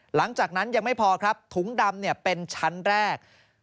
หลังจากนั้นยังไม่พอครับถุงดำเป็นชั้นแรก